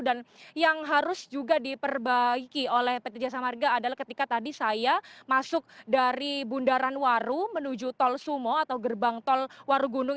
dan yang harus juga diperbaiki oleh pt jasa marga adalah ketika tadi saya masuk dari bundaran waru menuju tol sumo atau gerbang tol warugunung